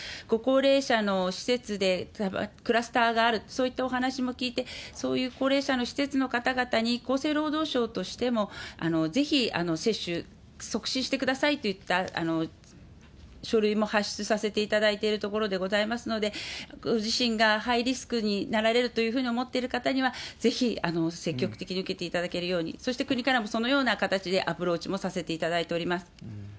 ご高齢者の施設でクラスターがある、そういったお話も聞いて、そういう高齢者の施設の方々に、厚生労働省としても、ぜひ接種促進してくださいといった書類も発出させていただいてるところでございますので、ご自身がハイリスクになられるというふうに思ってる方には、ぜひ積極的に受けていただけるように、そして国からもそのような形でアプローチもさせていただいております。